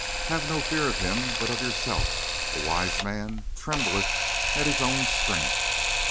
"Have no fear of him but of yourself. A wise man trembleth at his own strength."